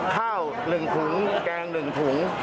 ข้าว๑ถุงแกง๑ถุง